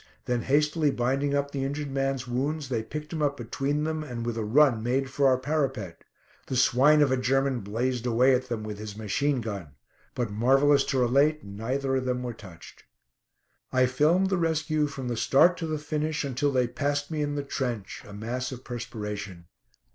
Then hastily binding up the injured man's wounds they picked him up between them, and with a run made for our parapet. The swine of a German blazed away at them with his machine gun. But marvellous to relate neither of them were touched. I filmed the rescue from the start to the finish, until they passed me in the trench, a mass of perspiration.